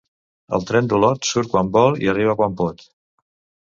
El tren d'Olot surt quan vol i arriba quan pot.